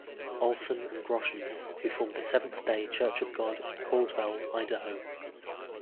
Olson and Groshans, who formed the Seventh Day Church of God in Caldwell, Idaho.